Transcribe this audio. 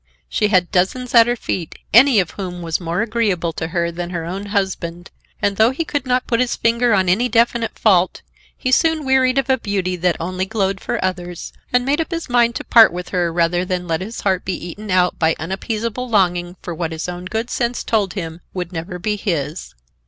She had dozens at her feet, any of whom was more agreeable to her than her own husband; and, though he could not put his finger on any definite fault, he soon wearied of a beauty that only glowed for others, and made up his mind to part with her rather than let his heart be eaten out by unappeasable longing for what his own good sense told him would never be his.